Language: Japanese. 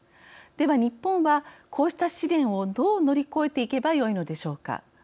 では日本は、こうした試練をどう乗り越えていけばよいのでしょうか。